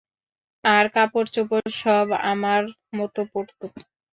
আর কাপড় চোপড় সব আমার মতো পরতো।